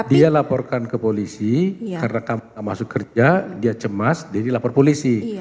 dia laporkan ke polisi karena kamu masuk kerja dia cemas jadi lapor polisi